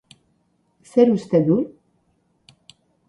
Zer uste dun?